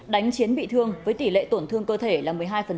đánh chiến bị thương với tỷ lệ tổn thương cơ thể là một mươi hai